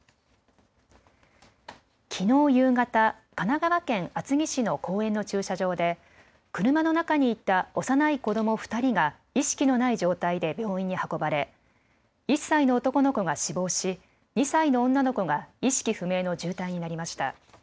きのう夕方、神奈川県厚木市の公園の駐車場で車の中にいた幼い子ども２人が意識のない状態で病院に運ばれ１歳の男の子が死亡し２歳の女の子が意識不明の重体になりました。